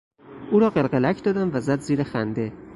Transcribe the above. او را قلقلک دادم و زد زیر خنده.